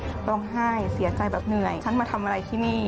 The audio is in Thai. ร้องไห้เสียใจแบบเหนื่อยฉันมาทำอะไรที่นี่